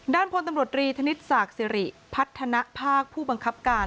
พลตำรวจรีธนิษฐศักดิ์สิริพัฒนภาคผู้บังคับการ